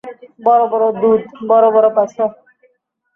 বড় বড় দুধ, বড় বড় পাছা!